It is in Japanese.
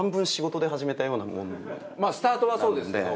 まあスタートはそうですけど。